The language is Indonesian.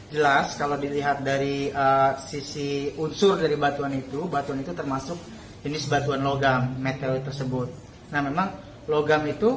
jika dilihat dari sisi unsur dari batuan itu batuan itu termasuk jenis batuan logam